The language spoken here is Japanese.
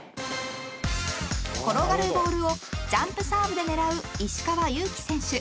［転がるボールをジャンプサーブで狙う石川祐希選手］